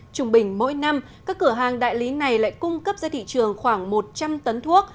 trung bình mỗi năm các cửa hàng đại lý này lại cung cấp ra thị trường khoảng một trăm linh tấn thuốc